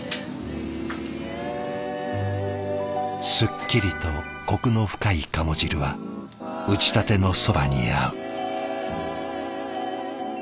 すっきりとコクの深い鴨汁は打ちたてのそばに合う。